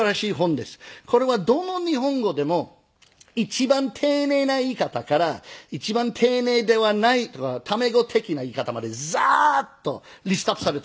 これはどの日本語でも一番丁寧な言い方から一番丁寧ではないタメ語的な言い方までザーッとリストアップされているんですよ。